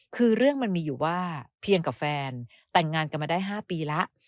คือเรื่องมันมีอยู่ว่าเพียงกับแฟนแต่งงานกันมาได้๕ปีแล้ว